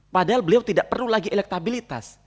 padahal beliau tidak perlu lagi elektabilitas